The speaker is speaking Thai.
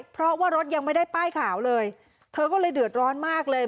เพราะว่ารถยังไม่ได้ป้ายขาวเลยเธอก็เลยเดือดร้อนมากเลย